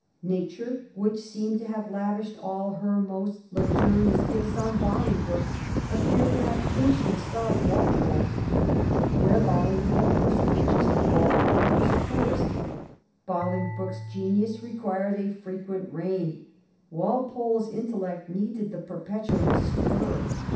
Nature, which seemed to have lavished all her most luxurious gifts on Bolingbroke, appeared to have pinched and starved Walpole. Where Boling broke was richest Walpole was poorest. Bolingbroke's genius required a firequent rein ; Walpole's intellect needed the perpetual spur.